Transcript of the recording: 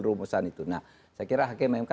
rumusan itu nah saya kira hkmmk